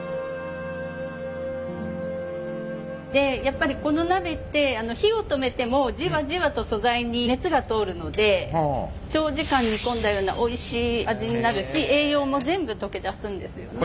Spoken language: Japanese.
でやっぱりこの鍋って火を止めてもじわじわと素材に熱が通るので長時間煮込んだようなおいしい味になるし栄養も全部溶け出すんですよね。